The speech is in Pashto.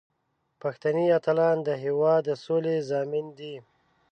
پښتني اتلان د هیواد د سولې ضامن دي.